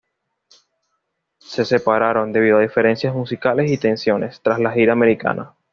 Se separaron, debido a diferencias musicales y tensiones, tras la gira americana.